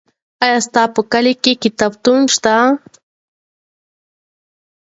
آیا ستا په کلي کې کتابتون شته؟